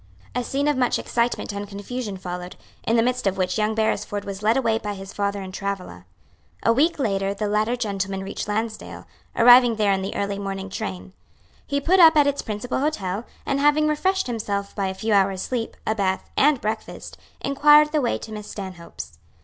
A scene of much excitement and confusion followed, in the midst of which young Beresford was led away by his father and Travilla. A week later the latter gentleman reached Lansdale, arriving there in the early morning train. He put up at its principal hotel, and having refreshed himself by a few hours' sleep, a bath, and breakfast, inquired the way to Miss Stanhope's.